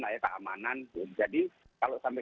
namanya keamanan jadi kalau sampai